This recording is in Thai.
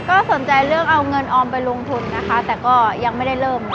ก็สนใจเรื่องเอาเงินออมไปลงทุนนะคะแต่ก็ยังไม่ได้เริ่มนะ